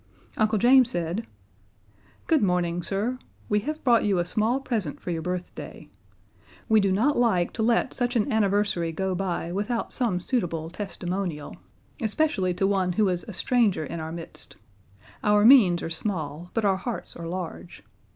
Uncle James said: "Good morning, sir. We have brought you a small present for your birthday. We do not like to let such an anniversary go by without some suitable testimonial, especially to one who is a stranger in our midst. Our means are small, but our hearts are large.